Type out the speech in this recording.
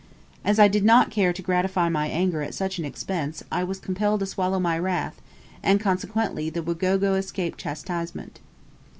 As I did not care to gratify my anger at such an expense, I was compelled to swallow my wrath, and consequently the Wagogo escaped chastisement.